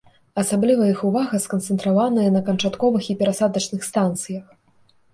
Асабліва іх увага сканцэнтраваная на канчатковых і перасадачных станцыях.